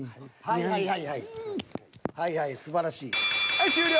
はい終了！